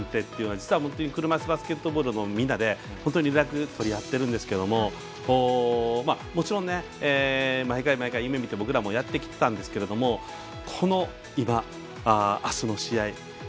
実は車いすバスケットボールのみんなと連絡取り合ってるんですがもちろん、毎回毎回夢みて僕らもやってきたんですけれどもこの、今、あすの試合。